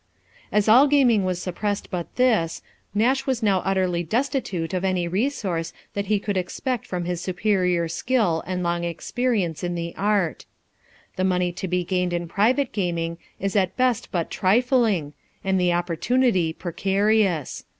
As all gaming was suppressed but this, Nash was now utterly destitute of any resource that he could expect from his superior skill and long experience in the art. The money to be gained in private gaming is at best but trifling, and the opportunity precarious.